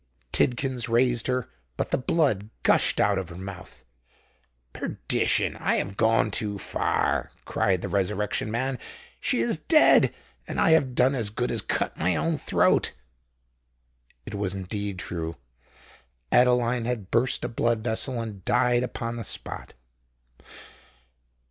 Tidkins raised her: but the blood gushed out of her mouth. "Perdition! I have gone too far," cried the Resurrection Man. "She is dead—and I have done as good as cut my own throat!" It was indeed true: Adeline had burst a blood vessel, and died upon the spot.